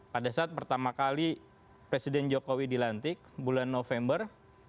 pada saat pertama kali presiden jokowi dilantik bulan november